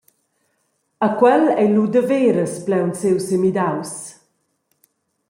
E quel ei lu daveras plaunsiu semidaus.